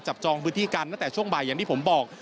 จองพื้นที่กันตั้งแต่ช่วงบ่ายอย่างที่ผมบอก